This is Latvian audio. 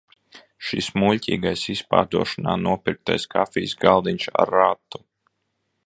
Šis muļķīgais izpārdošanā nopirktais kafijas galdiņš ar ratu!